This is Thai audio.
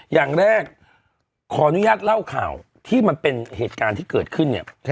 อย่างแรกขออนุญาตเล่าข่าวที่มันเป็นเหตุการณ์ที่เกิดขึ้นเนี่ย